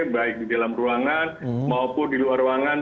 baik di dalam ruangan maupun di luar ruangan